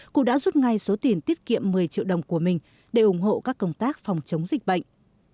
cụ đã rút ngay số tiền tiết kiệm một mươi triệu đồng của mình để ủng hộ các công tác phòng chống dịch bệnh